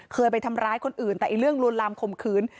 เคยไปทำร้ายคนอื่นแต่เรื่องลวนลามข่มขืน